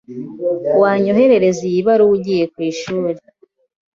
Wanyoherereza iyi baruwa ugiye ku ishuri?